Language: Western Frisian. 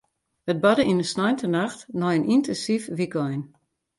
It barde yn in sneintenacht nei in yntinsyf wykein.